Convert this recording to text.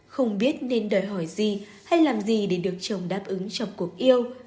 không biết nên đòi hỏi gì hay làm gì để được chồng đáp ứng trong cuộc yêu